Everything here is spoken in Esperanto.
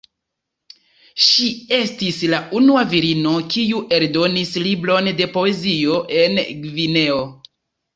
Ŝi estis la unua virino kiu eldonis libron de poezio en Gvineo.